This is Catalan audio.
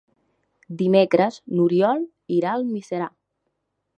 Dimecres n'Oriol irà a Almiserà.